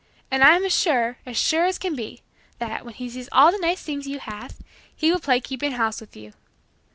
And I am as sure, as sure can be, that, when he sees all the nice things you have, he will play keeping house with you."